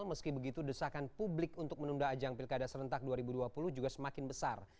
meski begitu desakan publik untuk menunda ajang pilkada serentak dua ribu dua puluh juga semakin besar